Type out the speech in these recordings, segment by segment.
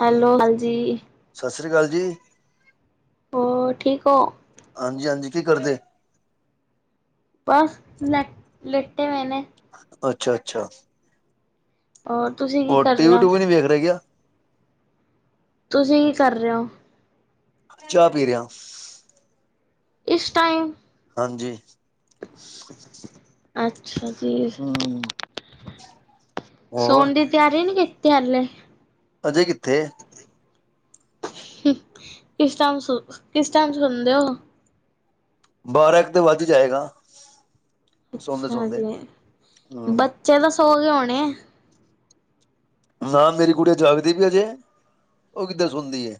Hello ਹਾਂਜੀ। ਸਤਿ ਸ੍ਰੀ ਅਕਾਲ ਜੀ ਹੋਰ ਠੀਕ ਓ? ਹਾਂਜੀ ਹਾਂਜੀ ਕੀ ਕਰਦੇ? ਬਸ ਲੈਟ ਲੇਟੇ ਹੋਏ ਨੇ। ਅੱਛਾ ਅੱਛਾ। ਹੋਰ ਤੁਸੀ। ਹੋਰ ਟੀ ਵੀ ਟੂਵੀ ਨੀ ਵੇਖ ਰਹੇ ਕਆ? ਤੁਸੀਂ ਕੀ ਕਰ ਰਹੇ ਹੋ? ਚਾਹ ਪੀ ਰਿਹਾ। ਇਸ ਟਾਈਮ। ਹਾਂਜੀ। ਅੱਛਾ ਜੀ। ਹੂ। ਸੌਣ ਦੀ ਤਿਆਰੀ ਨੀ ਕੀਤੀ ਹਲੇ। ਅਜੇ ਕਿੱਥੇ? ਕਿਸ ਟਾਈਮ ਸੋ ਕਿਸ ਟਾਈਮ ਸੁਣਦੇ ਹੋ? ਬਾਰਾਂ ਇੱਕ ਤੇ ਵੱਜ ਹੀ ਜਾਏਗਾ। ਸੌਦੇ ਹਾਂ ਸੌਦੇ ਜੀ, ਹਮ ਬੱਚੇ ਤਾਂ ਸੌ ਗਏ ਹੋਣੇ ਆ। ਹਾਂ ਮੇਰੀ ਗੁੜਿਆ ਜਾਗਦੀ ਪਈ ਐ ਅਜੇ, ਉਹ ਕਿੱਥੇ ਸੌਦੀ ਏ।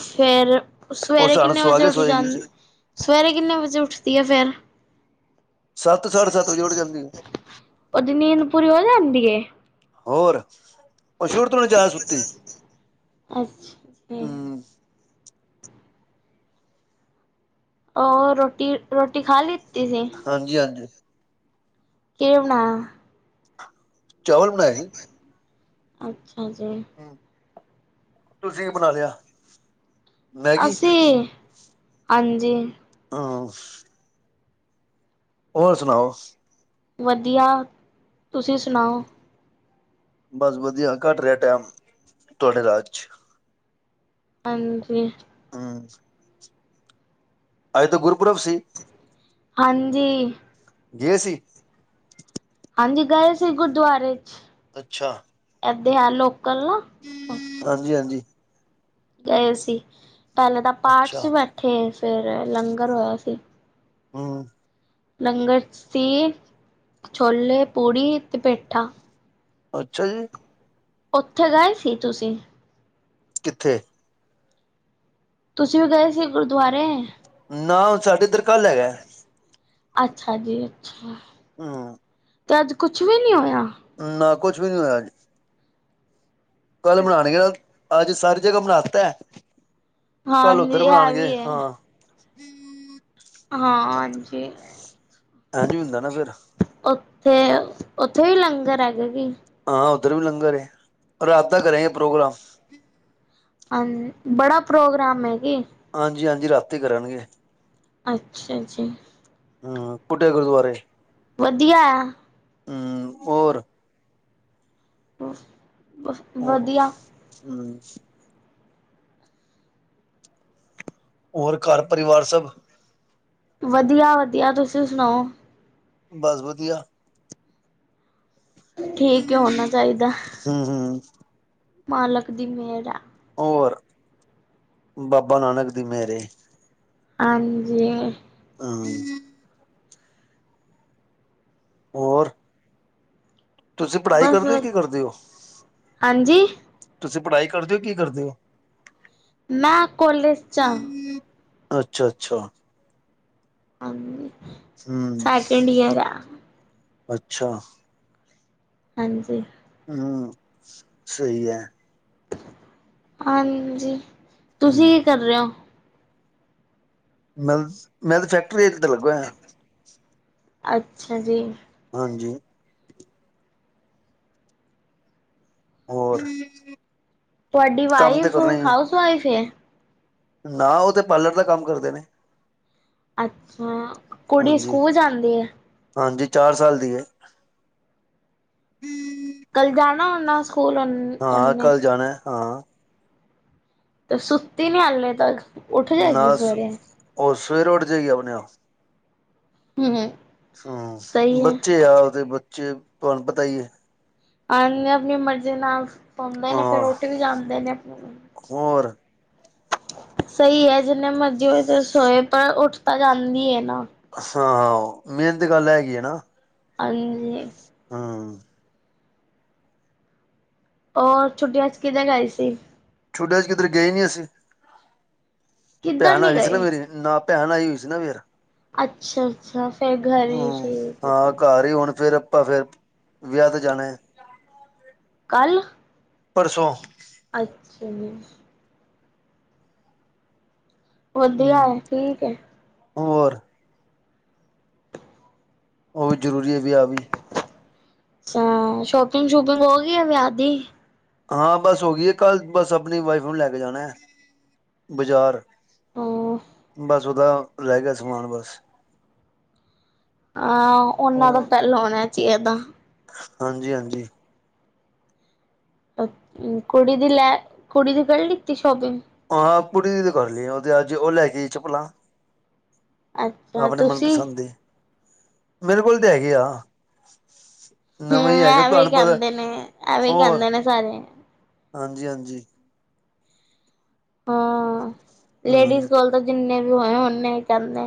ਫਿਰ ਉਹ ਸਵੇਰੇ ਸਾਨੂੰ ਕਿੰਨੇ ਸੁਆ ਵਜੇ ਕੇ ਉੱਠ ਜਾ ਸੋਏਗੀ ਸਵੇਰੇ ਕਿੰਨੇ ਵਜੇ ਉੱਠਦੀ ਹੈ ਫਿਰ? ਸੱਤ, ਸਾਢੇ ਸੱਤ ਵਜੇ ਉਠ ਜਾਂਦੀ ਏ। ਉਹਦੀ ਨੀਂਦ ਪੂਰੀ ਹੋ ਜਾਂਦੀ ਹੈ ਹੋਰ, ਉਹ ਸ਼ੁਰੂ ਤੋਂ ਨੀ ਜ਼ਿਆਦਾ ਸੁੱਤੀ। ਅੱਛਾ ਜੀ। ਹਮ ਹੋਰ ਰੋਟੀ ਰੋਟੀ ਖਾ ਲਿੱਤੀ ਸੀ। ਹਾਂਜੀ ਹਾਂਜੀ। ਕੀ ਬਣਾਇਆ? ਚਾਵਲ ਬਣਾਏ। ਅੱਛਾ ਜੀ। ਤੁਸੀ ਕੀ ਬਣਾ ਲਿਆ? ਮੈਗੀ ਅਸੀਂ, ਹਾਂਜੀ। ਹਾਂ। ਹੋਰ ਸੁਣਾਓ। ਵਧੀਆ ਤੁਸੀਂ ਸੁਣਾਓ। ਬਸ ਵਧੀਆ ਕੱਟ ਰਿਹਾ ਟਾਈਮ ਤੁਹਾਡੇ ਰਾਜ ਚ। ਹਾਂਜੀ। ਹਾਂ ਜੀ। ਅੱਜ ਤਾਂ ਗੁਰਪੁਰਬ ਸੀ। ਹਾਂਜੀ। ਗਏ ਸੀ? ਹਾਂਜੀ ਗਏ ਸੀ, ਗੁਰਦੁਆਰੇ ਚ। ਅੱਛਾ। ਇਥੇ ਆ ਲੋਕਲ ਨਾ। ਓਥੇ ਹਾਂਜੀ ਹਾਂਜੀ। ਗਏ ਸੀ, ਪਹਿਲੇ ਤਾਂ ਪਾਠ ਚ ਅੱਛਾ। ਬੈਠੇ ਆ, ਫੇਰ ਲੰਗਰ ਹੋਇਆ ਸੀ। ਹੂ ਲੰਗਰ ਚ ਸੀ, ਛੋਲੇ, ਪੂੜੀ ਤੇ ਪੇਠਾ। ਅੱਛਾ ਜੀ। ਉੱਥੇ ਗਏ ਸੀ ਤੁਸੀਂ? ਕਿੱਥੇ? ਤੁਸੀਂ ਵੀ ਗਏ ਸੀ ਗੁਰਦੁਆਰੇ? ਨਾ ਹੁਣ ਸਾਡੇ ਇੱਧਰ ਕੱਲ ਹੈਗਾ। ਅੱਛਾ ਜੀ ਅੱਛਾ। ਹਮ। ਅਤੇ ਅੱਜ ਕੁਛ ਵੀ ਨਹੀਂ ਹੋਇਆ? ਨਾ ਕੁਛ ਵੀ ਨਹੀਂ ਹੋਇਆ ਅੱਜ। [unintelligible] ਕੱਲ ਉੱਧਰ ਹਾਂਜੀ ਇਹ ਬਣਾਉਣਗੇ ਵੀ ਹਾਂ। ਹਾਂ, ਜੀ। ਹਾਂਜੀ ਹੁੰਦਾ ਨਾ ਫਿਰ ਉੱਥੇ, ਉੱਥੇ ਹੀ ਲੰਗਰ ਹੈਗੇ ਕੀ? ਹਾਂ ਉੱਧਰ ਵੀ ਲੰਗਰ ਏ ਰਾਤ ਦਾ ਕਰੇਗੇ ਪ੍ਰੋਗਰਾਮ। ਹਾਂ ਜੀ ਬੜਾ ਪ੍ਰੋਗਰਾਮ ਹੈ ਕਿ? ਹਾਂਜੀ, ਹਾਂਜੀ ਰਾਤੀ ਕਰਨਗੇ। ਅੱਛਾ ਜੀ। ਹੂੰ, ਪੁਡੇ ਗੁਰਦਵਾਰੇ। ਵਦੀਆ। ਹੋਰ। [unintelligible] ਵਧੀਆ [unintelligible] ਹੋਰ ਘਾਰ ਪਰਿਵਾਰ ਸਬ ਵਦੀਆ, ਵਦੀਆ ਤੁਸੀ ਸੁਨਾਓ? ਬਾਸ ਵਦੀਆ। ਠੀਕ ਏ ਹੋਨਾ ਚਾਈਦੈ। ਹੂੰ, ਹੂੰ। ਮਾਲਕ ਦੀ ਮੇਰ ਆ। ਓਰ, ਬਾਬਾ ਨਾਨਕ ਦੀ ਮੇਰੇ ਏ। ਹਾਂਜੀ। [unintelligible] ਹੋਰ? ਤੁਸੀ ਪੜਾਈ ਬਸ ਕਰਦੇ ਓ ਕੀ ਕਰਦੇ ਓ? ਹਾਂਜੀ ਤੁਸੀ ਪੜਾਈ ਕਰਦੇ ਓ ਕੀ ਕਰਦੇ ਓ? ਮੈਂ ਕੋਲੇਜ ਚ ਆ। ਅੱਛਾ, ਅੱਛਾ। [unintelligible] ਹੂੰ, ਸੈਕਿੰਡ ਈਅਰ ਆ ਅੱਛਾ। ਹਾਂਜੀ। ਹੂੰ ਸਈ ਏ। ਹਾਂਜੀ, ਹੂੰ ਤੁਸੀਂ ਕੀ ਕਰ ਰੇ ਓ। [unintelligible] ਅੱਛਾ ਜੀ। ਹਾਂਜੀ। ਹੋਰ। ਤੁਆਡੀ ਕੰਮ ਤੇ ਵਾਈਫ, ਕਰਨਾ ਹੀ ਹੈ। ਹਾਊਸ ਵਾਈਫ ਏ? ਨਾ, ਓ ਤੇ ਪਾਲਰ ਦਾ ਕੰਮ ਕਰਦੇ ਨੇ। ਅੱਛਾ, ਕੁੜੀ ਹਾਂਜੀ ਸੂਕੂਲ ਜਾਂਦੀ ਏ? ਹਾਂਜੀ, ਚਾਰ ਸਾਲ ਦੀ ਏ। ਕੱਲ ਜਾਨਾ ਓਨਾ ਸੂਕੂਲ ਹੋਨ? ਹਾਂ, ਕੱਲ ਜਾਣੈ ਹਾਂ। ਤੇ ਸੁੱਤੀ ਨੀ ਹੱਲੇ ਤੱਕ? ਉੱਠ ਜਾਏਗੀ ਨਾਸ, ਸਵੇਰੇ ਓ ਸਵੇਰੇ ਓਡ ਜੇਗੀ ਅਪਨੇ ਆਪ। ਹੂੰ, ਹੂੰ। ਹੂੰ, ਬੱਚੇ ਆ ਓਦੇ ਬੱਚੇ, ਤੁਆਨ ਪਤਾ ਈ ਏ। ਆ ਆਪਨੀ ਮਰਜੀ ਨਾਲ ਸੋਂਦੇ ਨੇ ਫੇਰ ਹਾਂ ਉਠ ਵੀ ਜਾਂਦੇ ਨੇ ਆਪਨੀ ਹੋਰ। ਸਹੀ ਹੈ। ਜਿੰਨੇ ਮਰਜ਼ੀ ਹੋਏ ਤੇ, ਸੋਏ ਪਰ ਉੱਠ ਤਾਂ ਜਾਂਦੀ ਹੈ ਨਾ। ਹਾਂ, ਮੇਨ ਤੇ ਗੱਲ ਹੈਗੀ ਹੈ ਨਾ। ਆਂਜੀਏ ਹਾਂ। ਓਰ ਛੁੱਟੀਆਂਚ ਕਿਦੇ ਗਏ ਸੀ‌? ਛੂਟੀਆ ਚ ਕਿਦਰੇ ਗਏ ਨੀ ਅਸੀ, ਕਿੱਧਰ ਭੈਨ ਨੀ ਆਗੀ ਸੀ ਨਾ ਗਏ ਮੇਰੀ ਨਾ ਭੈਣ ਆਈ ਹੋਈ ਸੀ ਨਾ ਫੇਰ। ਅੱਛ। ਅੱਛਾ, ਅੱਛਾ ਫੇਰ ਹੂੰ, ਹਾਂ ਘਰ ਈ ਹੁਣ ਫੇਰ, ਆਪਾਂ ਫੇਰ ਵਿਆ ਤੇ ਜਾਣੈ। ਕਾੱਲ? ਪਰਸੋਂ ਅੱਛਾ। ਵਧੀਆ ਹੂੰ ਹੈ, ਠੀਕ ਹੈ। ਹੋਰ। ਉਹ ਵੀ ਜ਼ਰੂਰੀ ਹੈ, ਵੀ ਆਹ ਵੀ। ਅੱਛਾ! ਸ਼ੋਪਿੰਗ-ਸ਼ੂਪਿੰਗ ਹੋ ਗਈ ਐ ਵਿਆਹ ਦੀ। ਹਾਂ, ਬਸ ਹੋ ਗਈ ਹੈ ਕਲ, ਬਸ ਆਪਣੀ ਵਾਈਫ ਨੂੰ ਲੈਕੇ ਜਾਣਾ ਹੈ ਬਜ਼ਾਰ। ਹਾਂ ਬਸ ਉਹਦਾ ਰਹਿ ਗਿਆ, ਸਮਾਨ ਬਸ। ਆਂ, ਉਹਨਾਂ ਦਾ ਪਹਿਲਾ ਹੋਣਾ'ਚ ਏਦਾਂ ਹਾਂਜੀ-ਹਾਂਜੀ। ਅ ਕੁੜੀ ਦੀ ਲੈ। ਕੁੜੀ ਦੀ ਫਿਰ ਲਿੱਤੀ ਸ਼ੋਪਿੰਗ। ਹਾਂ, ਪੁੜੀ ਦੀ ਗੱਲ ਹੈ, ਅੱਜ ਓ ਲੈਗੀ ਚਪਲਾਂ। ਅੱਛਾ ਆਪਣੇ ਤੁਸੀਂ ਮਨਪਸੰਦ ਦੀ। ਮੇਰੇ ਕੋਲ ਤਾ, ਹੈਗੇ ਆ। ਨਵੇਂ ਹੀ ਮੈਂ, ਹੈਗੇ ਐਵੇਂ ਤੁਹਾਨੂੰ ਪਤਾ ਕਹਿੰਦੇ ਨੇ, ਐਵੇਂ ਕਹਿੰਦੇ ਨੇ ਸਾਰੇ। ਹਾਂਜੀ-ਹਾਂਜੀ। ਹਾਂ, ਲੇਡੀਜ਼ ਹੂੰ ਕੋਲ ਤਾਂ ਜਿੰਨੇ ਵੀ ਹੋਏ, ਓਨੇ ਹੀ ਕਹਿੰਦੇ।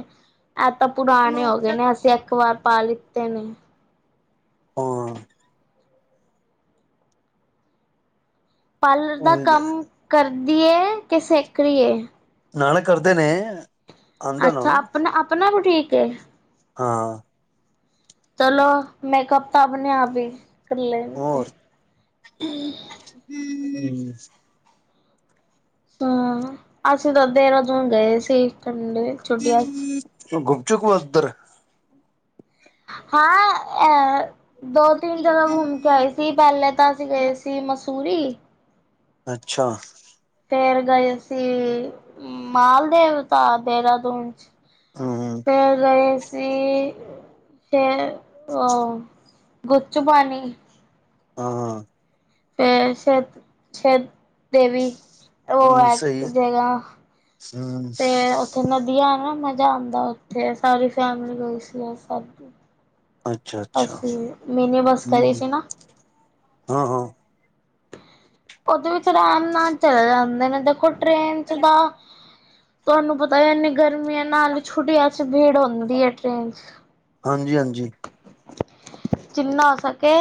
ਐ, ਤਾਂ ਪੁਰਾਣੇ ਹੋ ਗਏ ਹਾਂ ਨੇ, ਅਸੀਂ ਇੱਕ ਵਾਰ ਪਾ ਲਿੱਤੇ ਨੇ। ਹਾਂ। ਪਾਲਰ ਦਾ ਕੰਮ ਕਰਦੀ ਏ, ਕਿ ਸਿਖਰੀ ਏ? ਨਾਲ ਕਰਦੇ ਨੇ। ਅੱਛਾ, ਆਪਨਾ-ਆਪਣਾ ਬੂਟੀਕ ਹੇ? ਹਾਂ। ਚਲੋ, ਮੇਕਅਪ ਤਾਂ ਆਪਣੇ ਆਪ ਹੀ ਕਰ ਲੇਂਦੇ। ਹੂੰ, ਹੂੰ। ਹਾਂ, ਅਸੀਂ ਤਾਂ ਦੇਹਰਾਦੂਨ ਗਏ ਸੀ, ਛੁੱਟੀਆਂ'ਚ। ਗੁੰਮ, ਚੁੱਕੂ ਉੱਧਰ ਹਾਂ, ਅ ਦੋ- ਤੀਨ ਜਗਾ ਘੁੰਮ ਕੇ ਆਏ। ਕੀ ਪਹਿਲੇ ਤਾ ਅਸੀਂ ਗਏ ਸੀ, ਮਸੂਰੀ। ਅੱਛਾ। ਫੇਰ ਗਏ ਅਸੀਂ ਮਾਲਦੇਵਤਾ ਦੇਹਰਾਦੂਨ' ਚ। ਹਮ ਫਿਰ ਗਏ ਸ ਤੇ, ਫਿਰ ਅ ਗੁੱਚ ਪਾਣੀ। ਹਾਂ, ਹਾਂ। ਫਿਰ, ਸ਼ਤ-ਸ਼ਤ ਦੇਵੀ, ਉਹ ਹਮ ਹੈ ਇੱਕ ਸਹੀ ਜਗ੍ਹਾ, ਹਮ ਤੇ ਨਦੀਆਂ ਨਾ, ਮਜ਼ਾ ਆਂਦਾ ਉੱਥੇ ਸਾਰੀ ਫੈਮਿਲੀ ਗਈ ਸੀ। ਅੱਛਾ ਬਸ, ਅੱਛਾ ਮੀਨੀ ਬਸ ਕਰੀ ਸੀ ਨਾ ਹਾਂ-ਹਾਂ। ਉਹਦੇ ਵਿੱਚ ਆਰਾਮ ਨਾਲ ਚਲੇ ਜਾਂਦੇ ਨੇ, ਦੇਖੋ, ਟ੍ਰੇਨ' ਚ ਤਾਂ ਤੁਹਾਨੂੰ ਪਤਾ, ਇਨੀ ਗਰਮੀ ਏ, ਨਾਲ ਹੀ ਛੁੱਟੀਆਂ। ਚ ਭੀੜ ਹੁੰਦੀ ਹੈ ਟ੍ਰੇਨ ਚ। ਹਾਂਜੀ-ਹਾਂਜੀ। ਜਿੰਨਾ ਹੋ ਸਕੇ,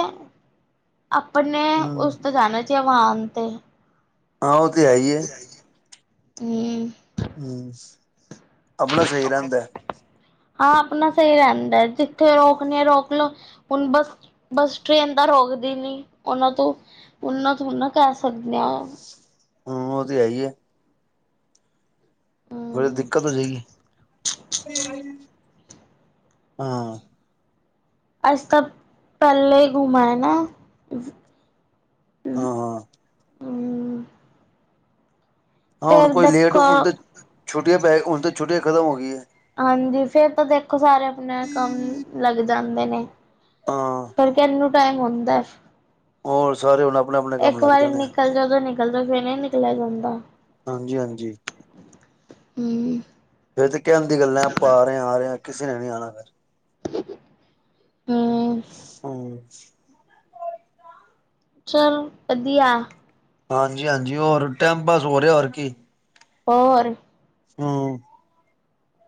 ਆਪਨੇ ਹਮ ਉਸ ਤੋਂ ਜਾਣਾ ਜਵਾਨ ਤੇ ਹਾਂ ਉਹ ਤੇ ਹੈ ਹੀ ਹੈ [unintelligible] ਹੂੰ ਹਮ, ਅਪਣਾ ਸਹੀ ਰਹਿੰਦਾ। ਹਾਂ, ਆਪਣਾ ਸਹੀ ਰਹਿੰਦਾ ਏ, ਜਿੱਥੇ ਰੋਕਣੇ ਆ ਰੋਕ ਲੋ, ਹੁਣ ਬਸ ਬੱਸ ਟ੍ਰੇਨ ਤਾਂ ਰੋਕਦੀ ਨੀ, ਉਹਨਾਂ ਤੋਂ, ਉਨਾਂ ਥੋਇ ਨਾ ਕਹਿ ਸਕਦੇ ਹਾ। ਹੂੰ, ਉਹ ਤੇ, ਹੈ ਹੀ ਏ। ਬੜੀ ਦਿੱਕਤ ਹੋ ਜਾਏਗੀ। ਹਾਂ ਅਸੀ ਤਾਂ ਪਹਿਲੇ ਹੀ ਘੁੰਮ ਆਏ ਨਾ। ਹਾਂ। ਹਮ ਹਾਂ ਹੁਣ ਫੇਰ ਕੋਈ ਲੇਟ ਦੇਖੋ ਹੁਣ ਤੇ ਛੁੱਟੀਆਂ ਪੈ ਗਈਆਂ ਹੁਣ ਤੇ ਛੁੱਟੀਆਂ ਖਤਮ ਹੋ ਗਈਆ। ਹਾਂਜੀ, ਫੇਰ ਤਾਂ ਦੇਖੋ, ਸਾਰੇ ਆਪਣੇ ਕੰਮ ਹੈ ਲੱਗ ਜਾਂਦੇ ਨੇ। ਹਾਂ ਪਰ ਕਿਨੂੰ ਟਾਈਮ ਹੁੰਦਾ? ਹੋਰ ਸਾਰੇ ਹੁਣ ਆਪਣੇ-ਆਪਣੇ ਕੰਮ ਇੱਕ ਲੱਗ ਵਾਰੀ ਜਾਦੇ ਆ। ਨਿਕਲ ਜਾਓ ਤਾਂ ਨਿਕਲ ਜਾਓ ਫਿਰ ਨਹੀਂ ਨਿਕਲਿਆ ਜਾਂਦਾ ਹਾਂਜੀ-ਹਾਂਜੀ। ਹਮ। ਇਹ ਤੇ ਕਹਿਣ ਦੀ ਗੱਲਾਂ, ਆਪਾਂ ਆ ਰਹੇ ਆ, ਆ ਰਹੇ ਹਾਂ। ਕਿਸੇ ਨੇ ਨੀ ਆਉਣਾ ਫਿਰ ਹਮ ਹਮ ਚੱਲੋ ਵਧੀਆ। ਹਾਂਜੀ-ਹਾਂਜੀ, ਹੋਰ ਟਾਈਮ ਪਾਸ ਹੋ ਰਿਹਾ ਹੋਰ ਕੀ। ਹੋਰ ਹਮ।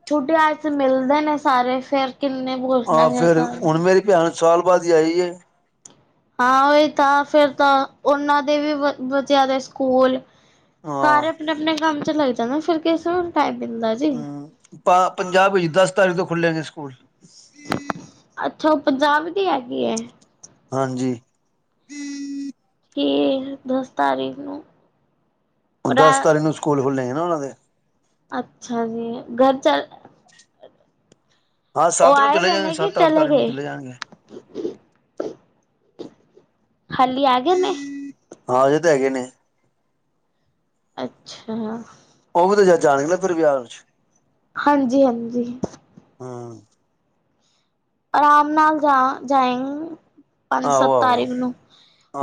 ਤੁਹਾਡੇ ਆਏ ਤੇ ਮਿਲਦੇ ਨੇ ਸਾਰੇ ਫੇਰ ਕਿੰਨੇ। ਪੁੱਛਣਾ ਹਾਂ ਫਿਰ ਫੇਰ ਸਾਰੇ ਹੁਣ ਮੇਰੀ ਭੈਣ ਸਾਲ ਬਾਅਦ ਹੀ ਆਈ ਏ। ਹਾਂ ਉਹੀ ਤਾਂ, ਫਿਰ ਤਾਂ ਉਹਨਾਂ ਦੇ ਵੀ ਬੱਚਿਆਂ ਦੇ ਸਕੂਲ। ਹਾਂ ਸਾਰੇ ਆਪਣੇ-ਆਪਣੇ ਕੰਮ ਚ ਲੱਗ ਜਾਂਦੇ ਫਿਰ ਕਿਸੇ ਨੂੰ ਟਾਈਮ ਮਿਲਦਾ ਜੇ। ਹਮ ਪ ਪੰਜਾਬ ਵਿੱਚ ਦਸ ਤਾਰੀਖ ਤੋਂ ਖੁੱਲੇੰ ਨੇ ਸਕੂਲ। ਅੱਛਾ ਉਹ ਪੰਜਾਬ ਦੀ ਹੈਗੀ ਏ? ਹਾਂਜੀ। ਕਿ ਦਸ ਤਾਰੀਖ ਨੂੰ ਦਸ ਰਾ ਤਾਰੀਖ ਨੂੰ ਸਕੂਲ ਖੁੱਲ੍ਹੇਗੇ ਨਾ ਉਹਨਾਂ ਦੇ। ਅੱਛਾ ਜੀ, ਘਰ ਚਲ। ਹਾਂ ਉਹ ਸੱਤ ਨੂੰ ਆਏ ਚਲੇ ਦੇ ਜਾਣਗੇ ਨੇ ਕਿ ਸੱਤ ਅੱਠ ਚਲੇ ਤਾਰੀਖ ਨੂੰ ਗਏ? ਜਾਣਗੇ ਹਾਲੀ ਆ ਗਏ ਨੇ? ਆਏ ਤੇ ਹੈਗੇ ਨੇ। ਅੱਛਾ। ਉਹ ਵੀ ਤਾਂ ਜਾਣਗੇ ਨਾ ਪਰ ਵਿਹਾਰ ਚ। ਹਾਂਜੀ-ਹਾਂਜੀ। ਹਮ। ਆਰਾਮ ਨਾਲ ਜਾ ਜਾਏ, ਪੰਜ ਆਹੋ ਸੱਤ ਆਹੋ ਤਾਰੀਖ ਨੂੰ।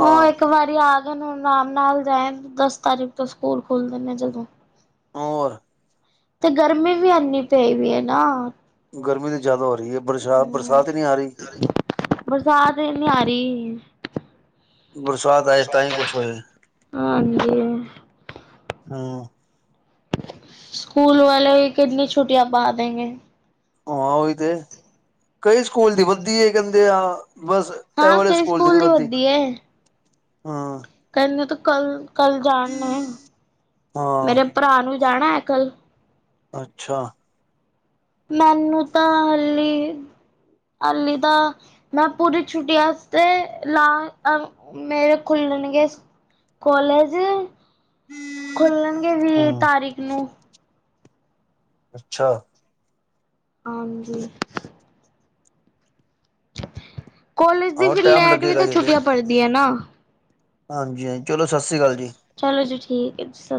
ਉਹ ਇੱਕ ਇੱਕ ਵਾਰੀ ਆ ਗਏ ਹੁਣ ਆਰਾਮ ਨਾਲ ਰਹਿਣ ਦਸ ਤਾਰੀਕ ਤੋਂ ਸਕੂਲ ਖੁੱਲਦੇ ਨੇ ਜਦੋਂ। ਹੋਰ। ਤੇ ਗਰਮੀ ਵੀ ਐਨੀ ਪਈ ਵੀ ਹੈ ਨਾ। ਗਰਮੀ ਤਾਂ ਜ਼ਿਆਦਾ ਹੋ ਰਹੀ ਹੈ। ਬਰਸਾਤ-ਬਰਸਾਤ ਹੀ ਨਹੀਂ ਆ ਰਹੀ। ਬਰਸਾਤ ਹੀ ਨੀ ਆ ਰਹੀ। ਬਰਸਾਤ ਆਏ ਗੁੱਸਾ ਤਾਂ ਹੀ ਆਉਂਦਾ ਕੁਛ ਹੋਏ ਇੱਥੇ ਹਾਂਜੀ। ਹਮ। ਸਕੂਲ ਵਾਲੇ ਕਿਤਨੀ ਛੁੱਟੀਆਂ ਪਾ ਦੇੰਗੇ। ਹਾਂ ਉਹੀ ਤੇ। ਕਈ ਸਕੂਲ ਦੀ ਵੱਧਦੀ ਹੈ ਕਹਿੰਦੇ ਆ। ਬਸ ਇਹ ਹਾਂ ਵਾਲੇ ਕਈ ਸਕੂਲ ਦੀ ਨੀ ਵਰਦੀ ਹੁੰਦੀ ਹੈ ਹਾਂ। ਕੱਲ ਨੂੰ ਤੂੰ ਕੱਲ-ਕੱਲ ਜਾਣ ਨੇ, ਹਾਂ ਮੇਰੇ ਭਰਾ ਨੂੰ ਜਾਣਾ ਹੈ ਕੱਲ। ਅੱਛਾ। ਮੈਨੂੰ ਤਾਂ ਹਲੀ। ਹਲੀ ਤਾ, ਮੈਂ ਪੂਰੀ ਛੁੱਟੀਆ ਵਾਸਤੇ ਲਾ ਅ ਮੇਰੇ ਖੁੱਲਣਗੇ ਕਾਲਜ। ਖੁੱਲਣਗੇ ਵੀਹ ਹਮ ਤਾਰੀਖ ਨੂੰ। ਅੱਛਾ ਹਾਂਜੀ ਕੋਲੇਜ ਦੀ ਆਹੋ ਫਿਰ ਟਾਈਮ ਲੈਟ ਵੀ ਲੱਗੇਗਾ ਤਾਂ ਛੁੱਟੀਆਂ ਪੜਦੀ ਏ ਨਾ ਹਾਂਜੀ-ਹਾਂਜੀ ਚਲੋ ਸਤਿ ਸ਼੍ਰੀ ਅਕਾਲ ਜੀ। ਚਲੋ ਜੀ ਠੀਕ ਏ